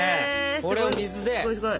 これを水で？